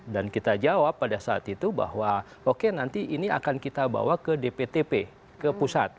dan kita jawab pada saat itu bahwa oke nanti ini akan kita bawa ke dptp ke pusat